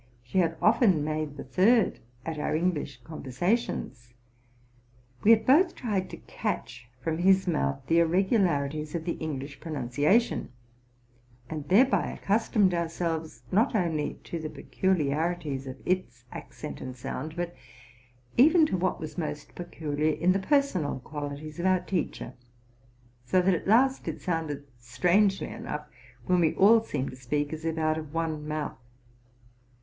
She had often made the third at our English conversations : we had both tried to catch from his mouth the irregularities of the English pro nunciation, and thereby accustomed ourselves, not only to the peculiarities of its accent and sound, but even to what was most peculiar in the personal qualities of our teacher; so that at last it sounded strangely enough when we all seemed to speak as if out of one mouth.